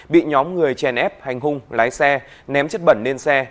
bị nhóm người chèn ép hành hung lái xe ném chất bẩn lên xe